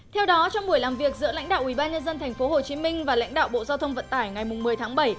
theo đó trong buổi làm việc giữa lãnh đạo ubnd tp hcm và lãnh đạo bộ giao thông vận tải ngày một mươi tháng bảy